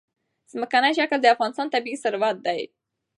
ځمکنی شکل د افغانستان طبعي ثروت دی.